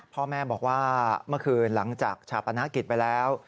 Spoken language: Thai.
พ่อแม่บอกว่าเมื่อคืนหลังจากชาปนกิจไปแล้ว